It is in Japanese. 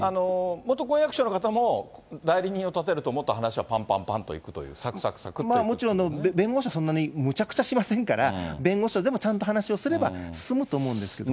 元婚約者の方も、代理人を立てると、もっと話はぱんぱんぱんと行くという、もちろん、弁護士はそんなにむちゃくちゃしませんから、弁護士を、でもちゃんと話をすれば進むと思うんですよね。